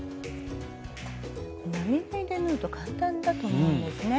並縫いで縫うと簡単だと思うんですね。